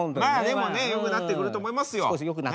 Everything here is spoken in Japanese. まあでもねよくなってくると思いますよ。